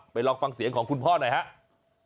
ลองฟังเสียงของคุณพ่อหน่อยครับ